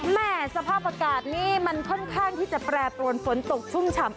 สภาพอากาศนี้มันค่อนข้างที่จะแปรปรวนฝนตกชุ่มฉ่ำ